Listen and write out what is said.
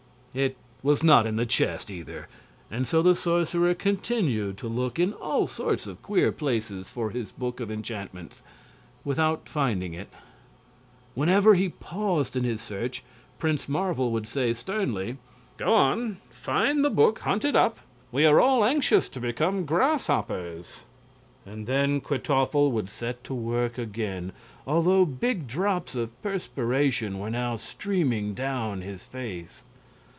It was not in the chest, either, and so the sorcerer continued to look in all sorts of queer places for his book of enchantments, without finding it. Whenever he paused in his search Prince Marvel would say, sternly: "Go on! Find the book! Hunt it up. We are all anxious to become grasshoppers." And then Kwytoffle would set to work again, although big drops of perspiration were now streaming down his face.